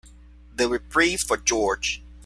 The reprieve for George.